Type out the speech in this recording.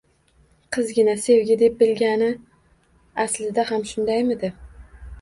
Qizgina sevgi deb bilgani aslida ham shundaymidi